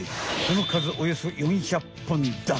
その数およそ４００本だ。